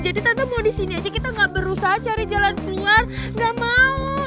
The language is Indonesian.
jadi tante mau disini aja kita gak berusaha cari jalan keluar gak mau